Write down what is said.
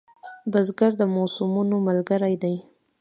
بزګر د موسمونو ملګری دی